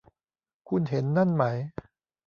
คุณเห็นนั่นไหม